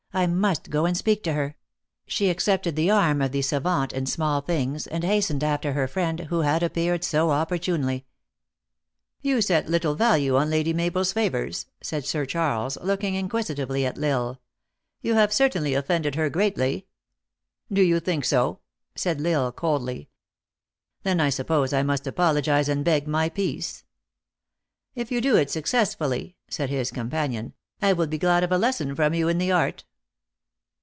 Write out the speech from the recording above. I must go and speak to her," she accepted the arm of the savant in small things, and hastened after her friend, who had appeared so opportunely. " You set little value on Lady Mabel s favors," said Sir Charles, looking inquisitively at L Isle. "You have certainly offended her greatly." THE ACTKESS IN HIGH LIFE. 413 " Do you think so ?" said L Isle coldly. " Then I suppose I must apologize and beg my peace." " If you do it successfully," said his companion, " I will be glad of a lesson from you in the art."